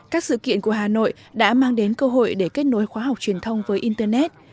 các sự kiện của hà nội đã mang đến cơ hội để kết nối khóa học truyền thông với internet